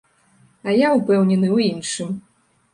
А я ўпэўнены ў іншым.